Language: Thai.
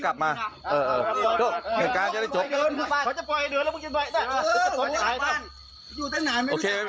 โอเคไม่มีอะไรโชครับ